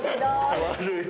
悪い。